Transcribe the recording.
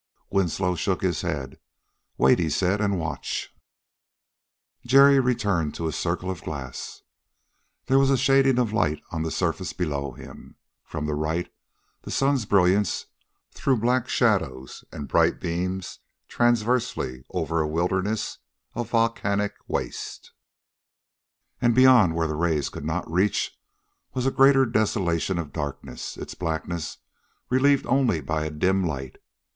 Winslow shook his head. "Wait," he said, "and watch." Jerry returned to his circle of glass. There was a shading of light on the surface below him. From the right the sun's brilliance threw black shadows and bright beams transversely over a wilderness of volcanic waste. And beyond, where the rays could not reach, was a greater desolation of darkness, its blackness relieved only by a dim light.